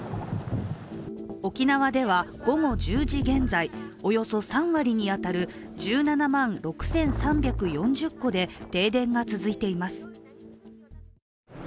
沖縄では午後１０時現在、およそ３割に当たる１７万６３４０戸で停電が続いています。